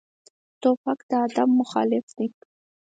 توپک د ادب مخالف دی.